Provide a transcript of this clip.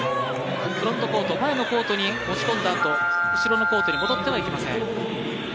フロントコート前のコートにいったあとに後ろのコートに戻ってはいけません。